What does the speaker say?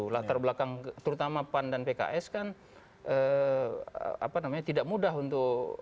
latar belakang terutama pan dan pks kan tidak mudah untuk